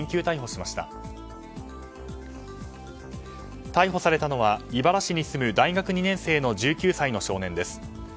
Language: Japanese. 逮捕されたのは井原市に住む大学２年生の１９歳の少年です。